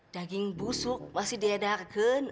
daging busuk masih diadarkan